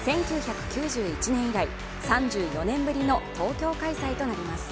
１９９１年以来３４年ぶりの東京開催となります。